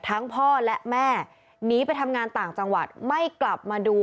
พ่อและแม่หนีไปทำงานต่างจังหวัดไม่กลับมาดู